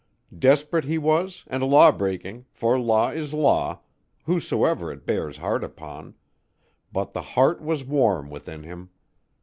Desperate he was and lawbreaking, for law is law, whosoever it bears hard upon; but the heart was warm within him.